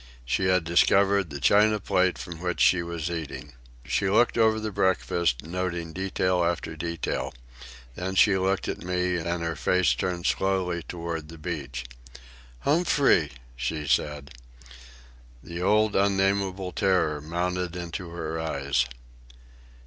She had discovered the china plate from which she was eating. She looked over the breakfast, noting detail after detail. Then she looked at me, and her face turned slowly toward the beach. "Humphrey!" she said. The old unnamable terror mounted into her eyes.